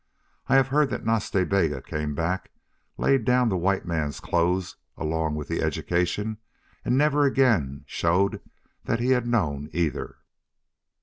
I have heard that Nas Ta Bega came back, laid down the white man's clothes along with the education, and never again showed that he had known either.